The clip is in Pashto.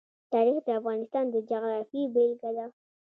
تاریخ د افغانستان د جغرافیې بېلګه ده.